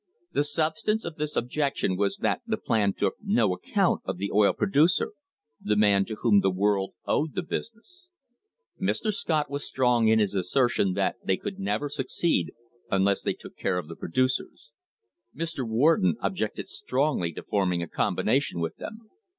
The substance of this objection was that the plan took no account of the oil producer — the man to whom the world owed the business. Mr. Scott was strong in his assertion that they could never succeed unless they took care of the producers. Mr. Warden objected strongly to forming a combination with them.